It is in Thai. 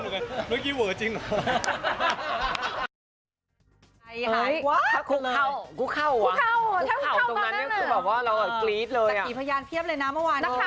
เต๋อเขากลับว่าให้เราตั้งหลังไม่ได้รึเปล่า